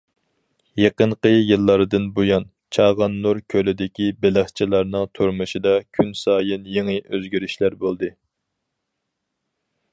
يېقىنقى يىللاردىن بۇيان، چاغاننۇر كۆلىدىكى بېلىقچىلارنىڭ تۇرمۇشىدا كۈنسايىن يېڭى ئۆزگىرىشلەر بولدى.